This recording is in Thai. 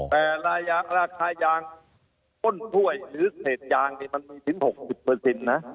แต่ราคายางต้นถ้วยหรือเศษยางนี่มันมีถึง๖๐นะ